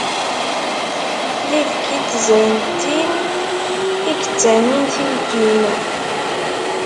D ibki n tzantin, i yettanin tilkin.